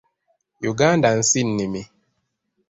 Uganda nsi nnimi.